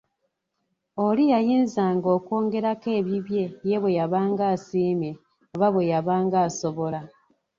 Oli yayinzanga okwongerako ebibye ye bwe yabanga asiimye oba bwe yabanga asobola.